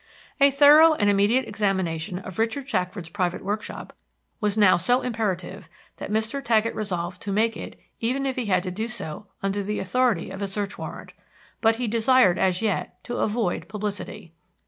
A thorough and immediate examination of Richard Shackford's private workshop was now so imperative that Mr. Taggett resolved to make it even if he had to do so under the authority of a search warrant. But he desired as yet to avoid publicity.